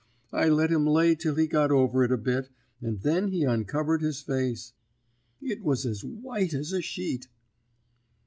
I let him lay till he got over it a bit, and then he uncovered his face; it was as white as a sheet.